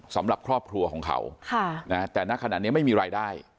สำหรับครอบครัวของเขาแต่ณขณะนี้ไม่มีรายได้